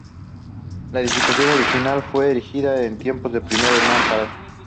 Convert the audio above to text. La edificación original fue erigida en tiempos del primer Hernán Peraza.